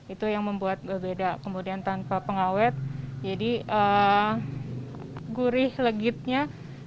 itu yang membuat berbeda kemudian tanpa pengawet jadi gurih legitnya